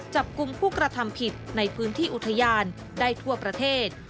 จับกลุ่มผู้กระทำผิดในพื้นที่อุทยานได้ทั่วประเทศ